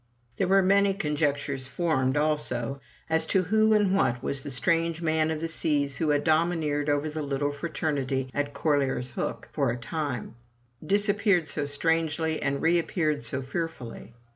There were many conjectures formed, also, as to who and what was the strange man of the seas who had domineered over the little fraternity at Corlaer's Hook for a time; disappeared so strangely, and reappeared so fearfully.